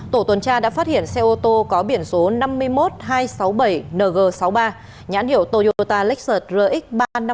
tổ tuần tra đã phát hiện xe ô tô có biển số năm mươi một hai trăm sáu mươi bảy ng sáu mươi ba nhãn hiệu toyota lakert rx ba trăm năm mươi bốn